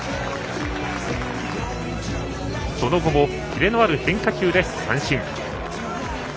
その後もキレのある変化球で三振。